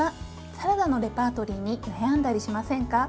サラダのレパートリーに悩んだりしませんか。